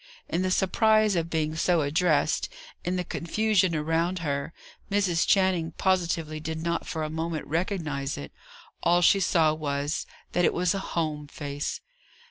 In the surprise of being so addressed, in the confusion around her, Mrs. Channing positively did not for a moment recognize it; all she saw was, that it was a home face.